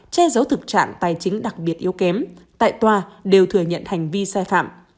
che giấu thực trạng tài chính đặc biệt yếu kém tại tòa đều thừa nhận hành vi sai phạm